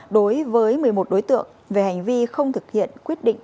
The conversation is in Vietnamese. đối với một mươi một đối tượng về hành vi không thực hiện quyết định